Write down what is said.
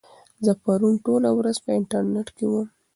زه پرون ټوله ورځ په انټرنيټ کې وم.